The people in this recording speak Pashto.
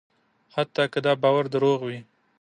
حتی که دا باور دروغ وي.